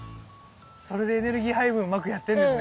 それでエネルギー配分うまくやってんですね。